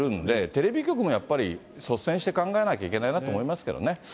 テレビ局もやっぱり、率先して考えなきゃいけないなと思いますけどね。